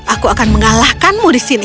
aku akan mengalahkanmu di sini